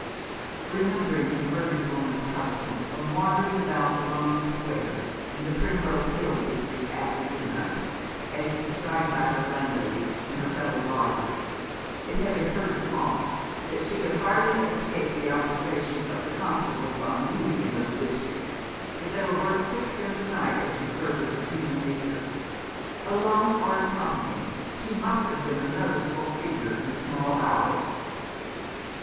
Remembering the murdered woman's custom of wandering about the lonely squares and the Primrose Hill district after midnight, as described by her landlady and her fellow lodger, it had occurred to Faunce that she could hardly have escaped the observation of the constables on duty in those districts, if they were worth sixpence a night as observers of human nature. Alone, or in company, she must have been a noticeable figure in the small hours.